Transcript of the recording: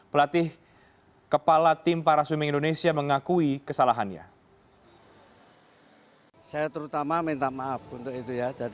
pelatih kepala tim para swimming indonesia mengakui kesalahannya